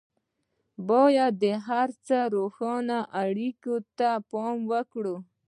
بايد د هر څه روښانه اړخ ته پام وکړي.